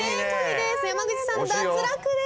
山口さん脱落です。